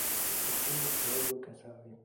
L’Ispettore Claudio Casale.